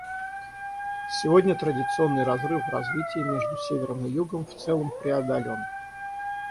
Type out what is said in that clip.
Сегодня традиционный разрыв в развитии между Севером и Югом в целом преодолен.